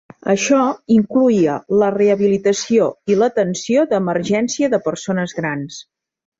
Això incloïa la rehabilitació i l'atenció d'emergència de persones grans.